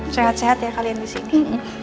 sehat sehat ya kalian disini